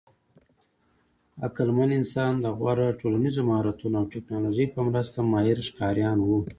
عقلمن انسان د غوره ټولنیزو مهارتونو او ټېکنالوژۍ په مرسته ماهر ښکاریان وو.